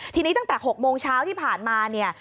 ทีนี้ตั้งแต่๖โมงเช้าที่ผ่านมาเนี่ย